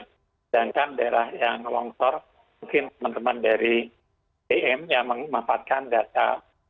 sedangkan daerah yang longsor mungkin teman teman dari pm yang memanfaatkan data